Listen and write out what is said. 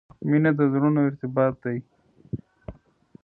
• مینه د زړونو ارتباط دی.